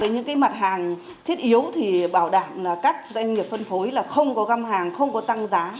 những mặt hàng thiết yếu bảo đảm các doanh nghiệp phân phối không có găm hàng không có tăng giá